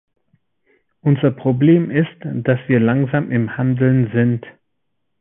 Unser Problem ist, dass wir langsam im Handeln sind.